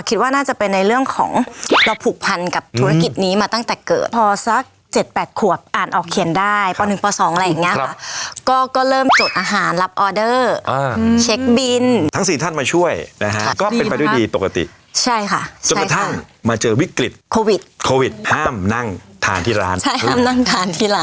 คิดว่าน่าจะเป็นในเรื่องของเราผูกพันกับธุรกิจนี้มาตั้งแต่เกิดพอสักเจ็ดแปดขวบอ่านออกเขียนได้ป๑ป๒อะไรอย่างเงี้ยค่ะก็ก็เริ่มจดอาหารรับออเดอร์เช็คบินทั้งสี่ท่านมาช่วยนะฮะก็เป็นไปด้วยดีปกติใช่ค่ะจนกระทั่งมาเจอวิกฤตโควิดโควิดห้ามนั่งทานที่ร้านใช่ห้ามนั่งทานที่ร้าน